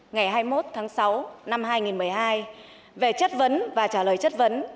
ngày hai mươi một tháng sáu năm hai nghìn một mươi hai về chất vấn và trả lời chất vấn